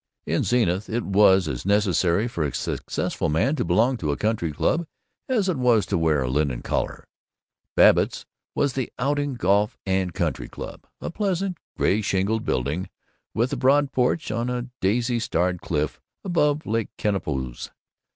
In Zenith it was as necessary for a Successful Man to belong to a country club as it was to wear a linen collar. Babbitt's was the Outing Golf and Country Club, a pleasant gray shingled building with a broad porch, on a daisy starred cliff above Lake Kennepoose.